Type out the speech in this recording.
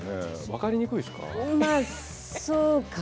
分かりにくいですか？